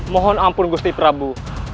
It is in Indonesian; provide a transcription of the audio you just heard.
mohon ampun gusti prabu